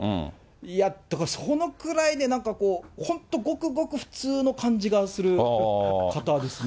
いや、だから、そのくらいね、なんかこう、本当、ごくごく普通の感じがする方ですね。